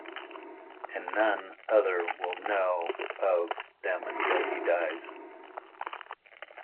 And none other will know of them until he dies.